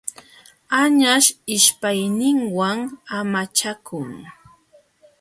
Añaśh ishpayninwan amachakun.